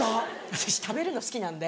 私食べるの好きなんで。